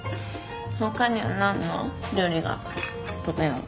他にはなんの料理が得意なの？